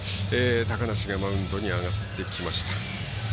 高梨がマウンドに上がってきました。